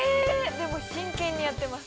でも真剣にやってます。